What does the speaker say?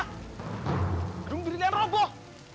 gedung diri dia roboh